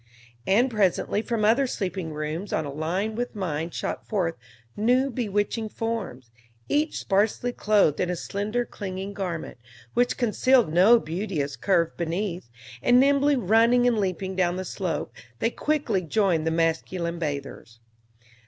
And presently from other sleeping rooms on a line with mine shot forth new bewitching forms, each sparsely clothed in a slender clinging garment, which concealed no beauteous curve beneath; and nimbly running and leaping down the slope, they quickly joined the masculine bathers.